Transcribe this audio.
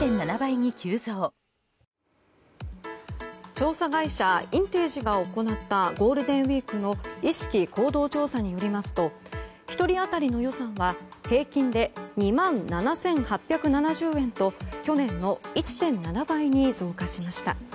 調査会社インテージが行ったゴールデンウィークの意識・行動調査によりますと１人当たりの予算は平均で２万７８７０円と去年の１．７倍に増加しました。